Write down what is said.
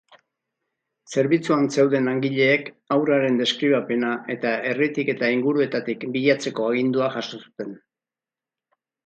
Zerbitzuan zeuden langileek haurraren deskribapena eta herritik eta inguruetatik bilatzeko agindua jaso zuten.